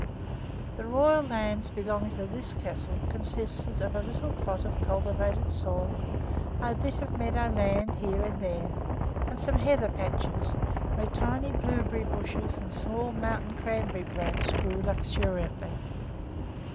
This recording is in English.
The royal lands belonging to this castle consisted of a little plot of cultivated soil, a bit of meadow land here and there, and some heather patches where tiny blueberry bushes and small mountain cranberry plants grew luxuriantly.